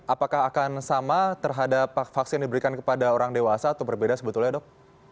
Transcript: apakah akan sama terhadap vaksin yang diberikan kepada orang dewasa atau berbeda sebetulnya dok